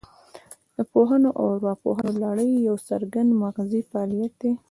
د پوهونې او راپوهونې لړۍ یو څرګند مغزي فعالیت دی